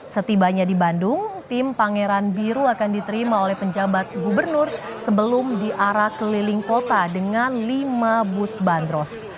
setibanya di bandung tim pangeran biru akan diterima oleh penjabat gubernur sebelum diarak keliling kota dengan lima bus bandros